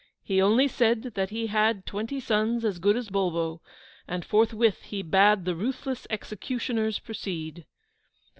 He only said that he had twenty sons as good as Bulbo, and forthwith he bade the ruthless executioners proceed.